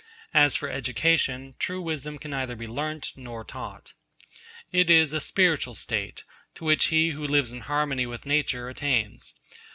As for education, true wisdom can neither be learnt nor taught. It is a spiritual state, to which he who lives in harmony with nature attains.